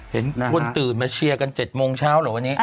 เห็นคนตื่นมาเชียร์กัน๗โมงเช้าเหรอวันนี้